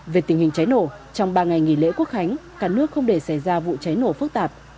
về tình hình cháy nổ trong ba ngày nghỉ lễ quốc khánh cả nước không để xảy ra vụ cháy nổ phức tạp